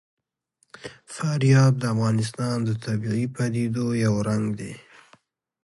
فاریاب د افغانستان د طبیعي پدیدو یو رنګ دی.